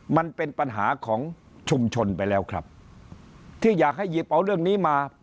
มันเป็นปัญหาของชุมชนไปแล้วครับที่อยากให้หยิบเอาเรื่องนี้มา